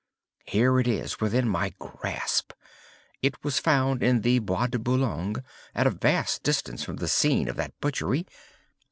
Here it is, within my grasp. It was found in the Bois de Boulogne—at a vast distance from the scene of that butchery.